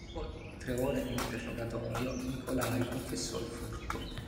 Dopo tre ore di interrogatorio, Nikolaj confessò il furto.